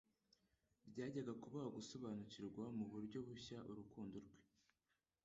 byajyaga kubaha gusobanukirwa mu buryo bushya urukundo rwe.